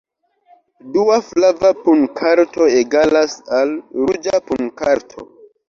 Dua flava punkarto egalas al ruĝa punkarto.